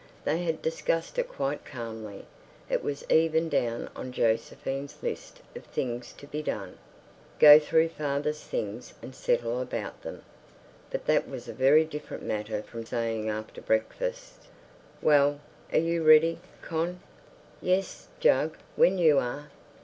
They had discussed it quite calmly. It was even down on Josephine's list of things to be done. "Go through father's things and settle about them." But that was a very different matter from saying after breakfast: "Well, are you ready, Con?" "Yes, Jug—when you are."